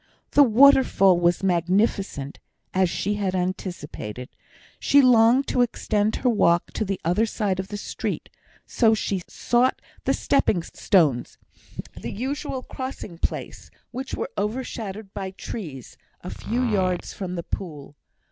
The waterfall was magnificent, as she had anticipated; she longed to extend her walk to the other side of the stream, so she sought the stepping stones, the usual crossing place, which were over shadowed by trees, a few yards from the pool.